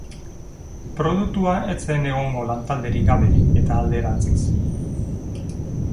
Produktua ez zen egongo lan-talderik gabe, eta alderantziz.